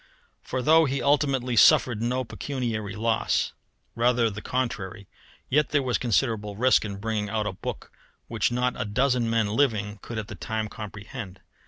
For though he ultimately suffered no pecuniary loss, rather the contrary, yet there was considerable risk in bringing out a book which not a dozen men living could at the time comprehend.